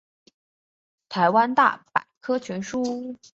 台湾大百科全书